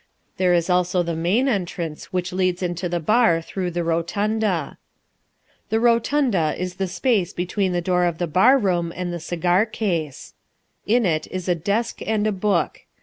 There is also the Main Entrance which leads into the Bar through the Rotunda. The Rotunda is the space between the door of the bar room and the cigar case. In it is a desk and a book.